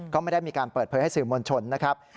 ก็ไม่ได้มีการเปิดเผยให้สื่อมวลชนนะครับ